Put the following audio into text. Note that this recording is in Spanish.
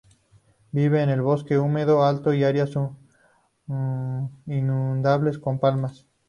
Vive en el bosque húmedo alto y áreas inundables con palmas.